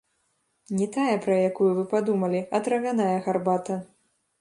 Не тая, пра якую вы падумалі, а травяная гарбата.